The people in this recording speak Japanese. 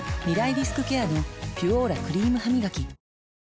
リスクケアの「ピュオーラ」クリームハミガキ